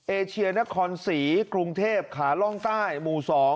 เอเชียนครศรีกรุงเทพขาล่องใต้หมู่๒